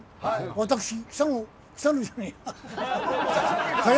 私、北野、北野じゃねえや。